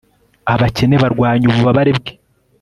abakene barwanya ububabare bwe